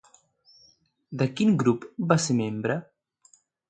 De quin grup va ser membre?